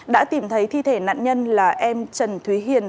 đã tìm thấy thi thể nạn nhân là em trần thúy hiền